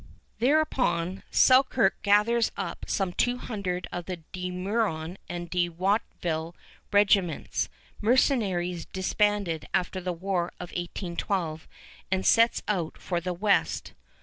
Thereupon, Selkirk gathers up some two hundred of the De Meuron and De Watteville regiments, mercenaries disbanded after the War of 1812, and sets out for the west.